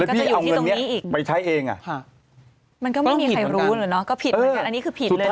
พี่เอาเงินมันเนี่ยไปใช้เองมันก็ไม่มีใครรู้หรือนุ่นเนาะอันนี้คือผิดเลยนะ